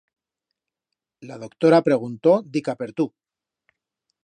La doctora preguntó dica per tu.